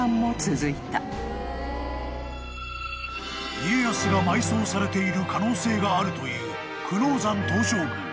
［家康が埋葬されている可能性があるという久能山東照宮］